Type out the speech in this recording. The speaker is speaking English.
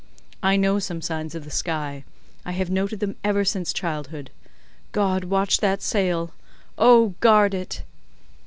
I know some signs of the sky; I have noted them ever since childhood. God watch that sail! Oh! guard it!